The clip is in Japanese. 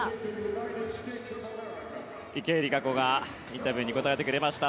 池江璃花子がインタビューに答えてくれました。